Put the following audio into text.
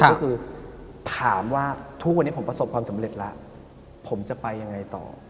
ก็คือถามว่าทุกวันนี้ผมประสบความสำเร็จแล้วผมจะไปยังไงต่อ